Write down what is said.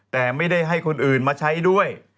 แต่ไม่ได้ให้คนอื่นมาใช้ด้วย